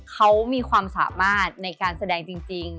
เขามีความสามารถในการแสดงจริง